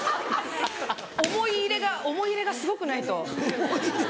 思い入れがすごくないと。